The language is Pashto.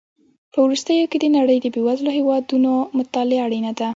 په وروستیو کې د نړۍ د بېوزلو هېوادونو مطالعه اړینه ده.